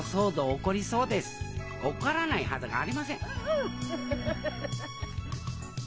起こらないはずがありません